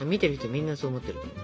みんなそう思ってるから。